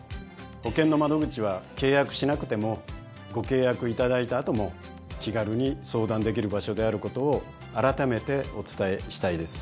ほけんの窓口は契約しなくてもご契約いただいた後も気軽に相談できる場所であることをあらためてお伝えしたいです。